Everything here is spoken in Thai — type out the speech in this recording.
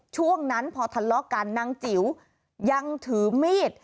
ช่วงนั้นพอทะเลาะกันนางจิ๋วยังถือมีด